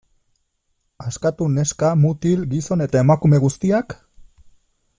Askatu neska, mutil, gizon eta emakume guztiak?